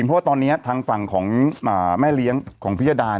เพราะว่าตอนนี้ทางฝั่งของแม่เลี้ยงของพิยดา